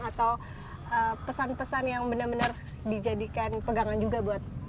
atau pesan pesan yang benar benar dijadikan pegangan juga buat